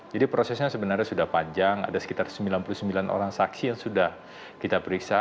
jadi prosesnya sebenarnya sudah panjang ada sekitar sembilan puluh sembilan orang saksi yang sudah kita periksa